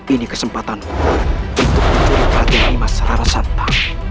ini kesempatan untuk mencuri hati hati mas rara santa